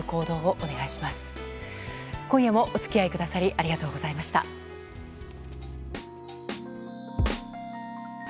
今夜もお付き合いくださりありがとうございました。